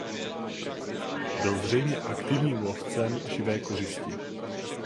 Byl zřejmě aktivním lovcem živé kořisti.